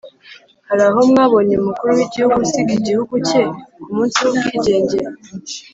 Hari aho mwabonye umukuru w'igihugu usiga igihugu cye ku munsi w'ubwigenge???!!!